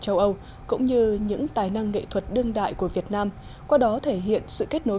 châu âu cũng như những tài năng nghệ thuật đương đại của việt nam qua đó thể hiện sự kết nối